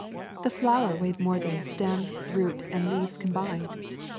The flower weighed more than stem, root, and leaves combined.